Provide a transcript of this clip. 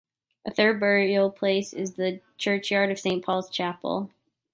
A third burial place is the Churchyard of Saint Paul's Chapel.